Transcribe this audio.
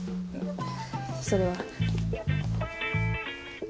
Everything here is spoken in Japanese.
それは。